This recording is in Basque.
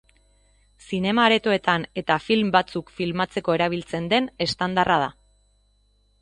Zinema-aretoetan eta film batzuk filmatzeko erabiltzen den estandarra da.